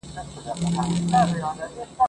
زه پرون مېوې وچولې!!